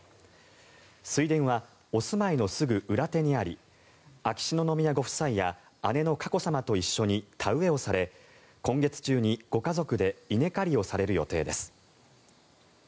水田はお住まいのすぐ裏手にあり秋篠宮ご夫妻や姉の佳子さまと一緒に田植えをされ今月中にご家族で稲刈りをされる予定です。